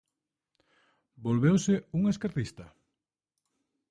¿Volveuse un esquerdista?